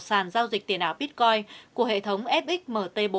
sàn giao dịch tiền ảo bitcoin của hệ thống fxmt bốn